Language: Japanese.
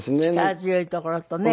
力強いところとね